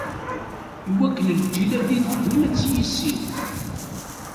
Iwakken lǧil i d-itteddun ad tt-yissin.